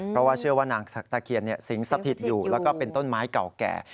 เพราะว่าเชื่อว่านางศักดิ์ตะเคียนสิงสถิตอยู่แล้วก็เป็นต้นไม้เก่าแก่